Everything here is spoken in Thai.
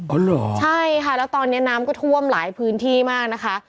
เหรอใช่ค่ะแล้วตอนนี้น้ำก็ท่วมหลายพื้นที่มากนะคะ